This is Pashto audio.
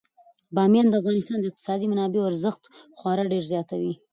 بامیان د افغانستان د اقتصادي منابعو ارزښت خورا ډیر زیاتوي.